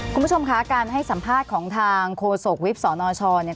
คุณผู้ชมคะการให้สัมภาษณ์ของทางโฆษกวิบสนชเนี่ย